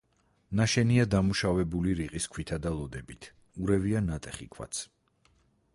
ნაშენია დამუშავებული რიყის ქვითა და ლოდებით, ურევია ნატეხი ქვაც.